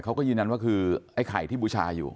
เขาก็ยืนยันว่าคือไอ้ไข่ที่บูชาอยู่